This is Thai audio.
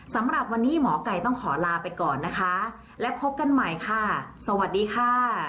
สำหรับวันนี้หมอไก่ต้องขอลาไปก่อนนะคะและพบกันใหม่ค่ะสวัสดีค่ะ